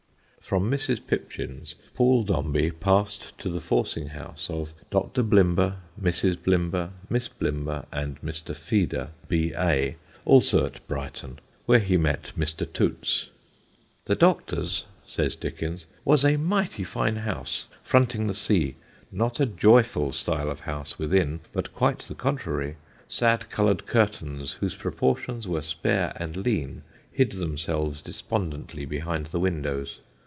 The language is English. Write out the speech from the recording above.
From Mrs. Pipchin's Paul Dombey passed to the forcing house of Dr. Blimber, Mrs. Blimber, Miss Blimber and Mr. Feeder, B.A., also at Brighton, where he met Mr. Toots. "The Doctor's," says Dickens, "was a mighty fine house, fronting the sea. Not a joyful style of house within, but quite the contrary. Sad coloured curtains, whose proportions were spare and lean, hid themselves despondently behind the windows.